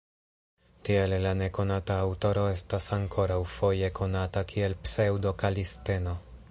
Tiele la nekonata aŭtoro estas ankoraŭ foje konata kiel Pseŭdo-Kalisteno.